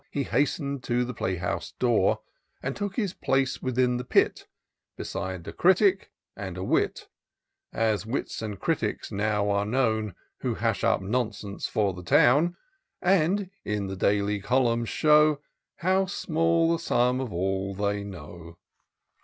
He hasten'd to the playhouse door, And took his place within the pit, Beside a critic and a wit. As wits and critics now are known, Who hash up nonsense for the town ;{ 294 TOUR OF DOCTOR SYNTAX And| in the daily colunmsy show How small the sum of all they know.